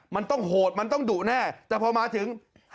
มันต้องโหดมันต้องดุแน่แต่พอมาถึง